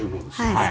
はい。